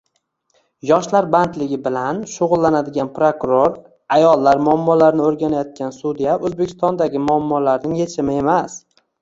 Yoshlar bandligi bilan shugʻullanadigan prokuror, ayollar muammolarini oʻrganayotgan sudya Oʻzbekistondagi muammolarning yechimi emas.